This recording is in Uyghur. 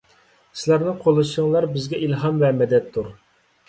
سىلەرنىڭ قوللىشىڭلار بىزگە ئىلھام ۋە مەدەتتۇر.